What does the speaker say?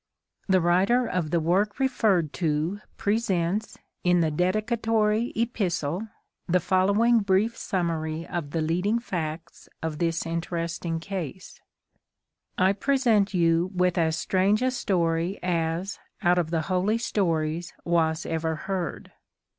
"^ The writer of the work referred to presents, in the dedi catory epistle, the following brief summary of the leading facts of this interesting case :—" I present you with as strange a story as, out of the holy stories, was ever heard.